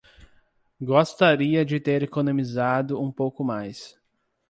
Gostaria de ter economizado um pouco mais